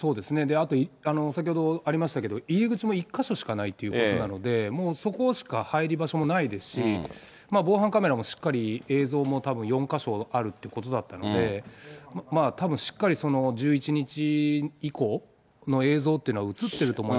あと、先ほどありましたけど、入り口も１か所しかないということなので、もう、そこしか入り場所もないですし、防犯カメラもしっかり映像も、たぶん、４か所あるってことだったので、たぶんしっかり１１日以降の映像っていうのは写っていると思い